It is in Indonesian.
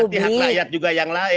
tidak ada hak rakyat juga yang lain